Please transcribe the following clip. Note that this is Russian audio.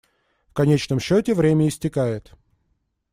В конечном счете время истекает.